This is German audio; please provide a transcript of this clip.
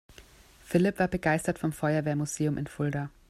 Philipp war begeistert vom Feuerwehrmuseum in Fulda.